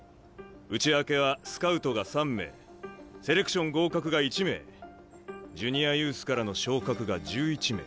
内訳はスカウトが３名セレクション合格が１名ジュニアユースからの昇格が１１名。